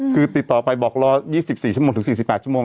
คือติดต่อไปบอกรอ๒๔ชั่วโมงถึง๔๘ชั่วโมง